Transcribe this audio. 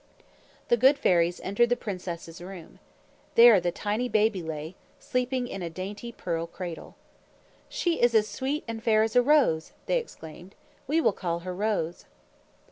The good fairies entered the princess' room. There the tiny baby lay, sleeping in a dainty pearl cradle. "She is as sweet and fair as a rose!" they exclaimed. "We will call her Rose."